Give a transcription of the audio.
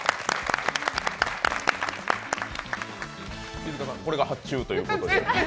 飯塚さん、これが発注ということで？